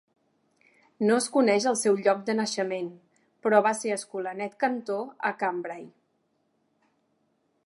No es coneix el seu lloc de naixement, però va ser escolanet cantor a Cambrai.